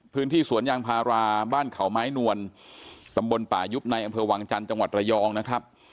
พื้นที่สวนยางพาราบ้านเขาไม้นวลตำบลป่ายุบในอำเภอวังจันทร์จังหวัดระยองนะครับ